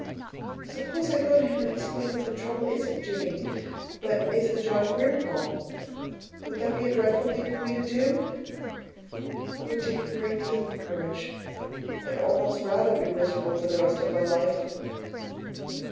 Suppose I go to him and explain that the trouble isn't Jimmie, but is the John Grier Home would that be a dreadful thing for me to do? It would take a great deal of courage. I'd almost rather be miserable for the rest of my life.